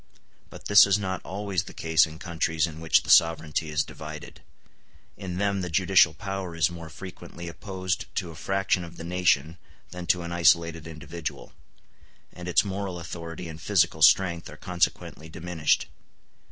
But this is not always the case in countries in which the sovereignty is divided; in them the judicial power is more frequently opposed to a fraction of the nation than to an isolated individual, and its moral authority and physical strength are consequently diminished.